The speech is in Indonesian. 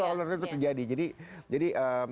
itu alurannya itu terjadi jadi